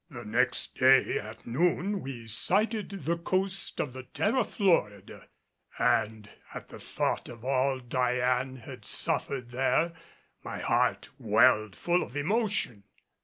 The next day at noon we sighted the coast of the Terra Florida, and at the thought of all Diane had suffered there my heart welled full of emotion.